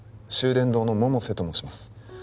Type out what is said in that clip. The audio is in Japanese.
伝堂の百瀬と申します